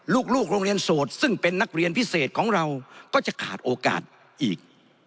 ลูกโรงเรียนโสดซึ่งเป็นนักเรียนพิเศษของเราก็จะขาดโอกาสอีก